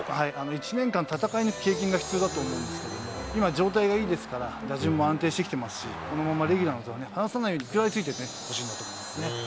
１年間戦い抜く経験が必要だと思うんですけれども、今、状態がいいですから、打順も安定してきてますし、このままレギュラーの座は離さないように、食らいついてほしいなと思いますね。